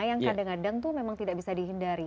yang kadang kadang tuh memang tidak bisa dihindari